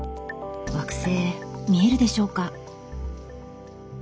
惑星見えるでしょうか。